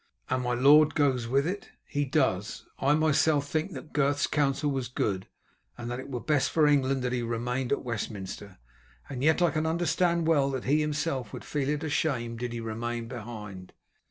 "And my lord goes with it?" "He does. I myself think that Gurth's counsel was good, and that it were best for England that he remained at Westminster; and yet I can understand well that he himself would feel it a shame did he remain behind."